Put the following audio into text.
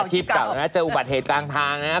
อาชีพเก่าแล้วเจออุบัติเหตุกลางทางนะ